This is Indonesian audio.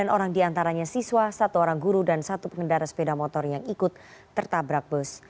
sembilan orang diantaranya siswa satu orang guru dan satu pengendara sepeda motor yang ikut tertabrak bus